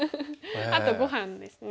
あとごはんですね。